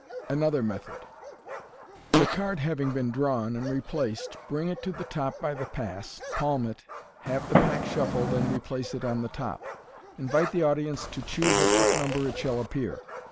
Another Method, — The card having been drawn and replaced, bring it to the top by the pass, palm it, have the pack shuffled, and replace it on the top. Invite the audience to choose at what number it shall appear.